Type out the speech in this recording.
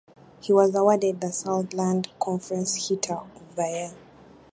He was awarded the Southland Conference Hitter of the Year.